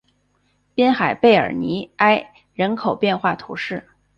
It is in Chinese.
滨海贝尔尼埃人口变化图示